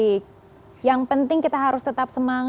baik yang penting kita harus tetap semangat